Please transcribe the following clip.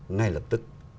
ngay lập tức